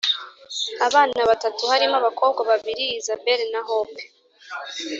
abana batatu barimo abakobwa babiri, isabelle na hope,